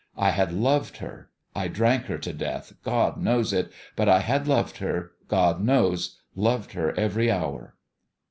I had loved her! I drank her to death, God knows it ! But I had loved her, God knows loved her every hour